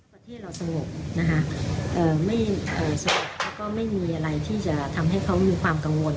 ประเทศเราสงบนะคะไม่สงบแล้วก็ไม่มีอะไรที่จะทำให้เขามีความกังวล